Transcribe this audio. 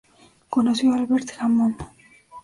Conoció a Albert Hammond Jr.